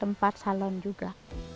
tempat salon juga